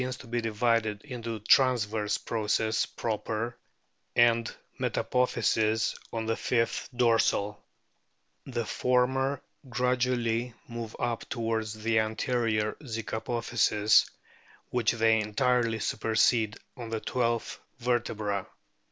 Soc., vi., p. 87. 298 A BOOK OF WHALES to be divided into tranverse processes proper, and metapophyses on the fifth dorsal. The former gradually move up towards the anterior zygapophyses, which they entirely supersede on the twelfth vertebra.